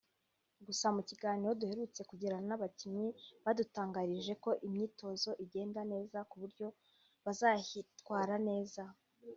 Gusa mu kiganiro duherutse kugirana n’abakinnyi badutangarije ko imyitozo igenda neza ku buryo bazahitwara neza